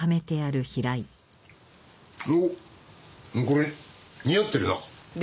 おっこれ似合ってるな。